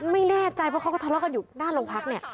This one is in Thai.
ไม่แน่ใจเพราะเขาก็ทะเลาะกันอยู่หน้าโรงพักเนี่ย